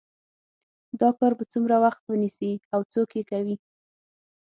دا کار به څومره وخت ونیسي او څوک یې کوي